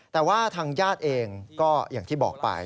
แต่ว่าทางญาติเองก็อย่างที่บอกไป